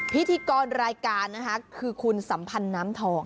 พิธีกรรายการนะคะคือคุณสัมพันธ์น้ำทอง